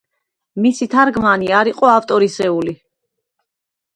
მისი თარგმანი არ იყო ავტორისეული.